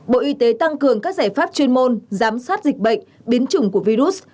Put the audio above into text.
bộ y tế tăng cường các giải pháp chuyên môn giám sát dịch bệnh biến chủng của virus